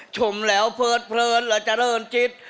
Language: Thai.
ชมแล้วเพลิดเพลินและเจริญจิต